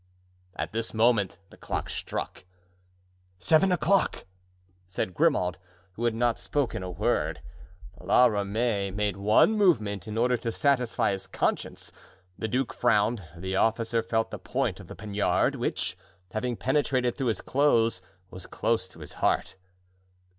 At this moment the clock struck. "Seven o'clock!" said Grimaud, who had not spoken a word. La Ramee made one movement, in order to satisfy his conscience. The duke frowned, the officer felt the point of the poniard, which, having penetrated through his clothes, was close to his heart.